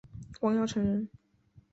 王尧臣人。